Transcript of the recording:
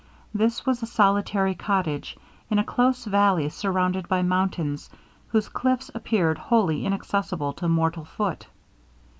This was a solitary cottage, in a close valley surrounded by mountains, whose cliffs appeared wholly inaccessible to mortal foot.